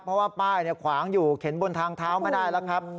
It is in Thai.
เพราะว่าป้ายขวางอยู่เข็นบนทางเท้าไม่ได้แล้วครับ